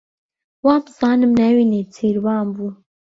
وابزانم ناوی نێچیروان بوو.